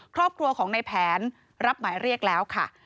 ครอบครัวของในแผนรับหมายเรียกแล้วค่ะ